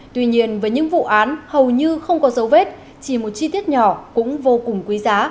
tuy nhiên với những vụ án hầu như không có dấu vết chỉ một chi tiết nhỏ cũng vô cùng quý giá